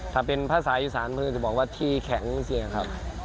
ถ้าเป็นภาษาอยู่สารพื้นจะบอกว่าที่แข็งใช่ไหมครับ